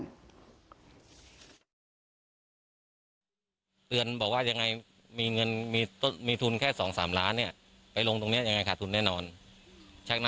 กับเพื่อนหนูครึ่งก็ให้